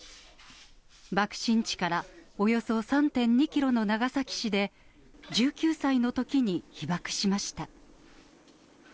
爆心地からおよそ３．２キロの長崎市で、１９歳のときに被爆しました。